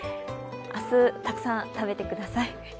明日、たくさんたべてください。